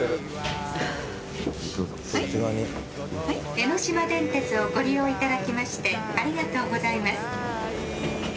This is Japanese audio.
江ノ島電鉄をご利用いただきましてありがとうございます。